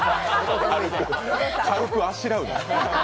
軽くあしらうな。